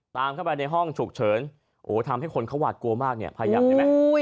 ตามเข้าไปในห้องฉุกเฉินโอ้ทำให้คนเขาหวาดกลัวมากเนี่ยพยายามเห็นไหม